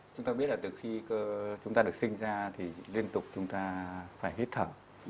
chúng ta biết là từ khi chúng ta được sinh ra thì liên tục chúng ta phải hít thở